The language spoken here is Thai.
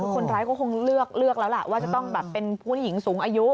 คนร้ายก็คงเลือกแล้วล่ะว่าจะต้องแบบเป็นผู้หญิงสูงอายุ